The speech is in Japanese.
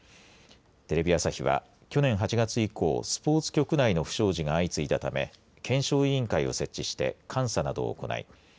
テレビ朝日は去年８月以降スポーツ局内の不祥事が相次いだため検証委員会を設置して監査などを行い